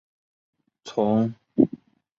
从五位下长岑茂智麻吕的义弟。